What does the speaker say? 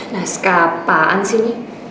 nah sekapaan sih ini